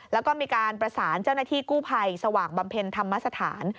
แล้วก็มีการประสานเจ้าหน้าที่กู้ภัยสว่างบำเพ็ญธรรมสถาน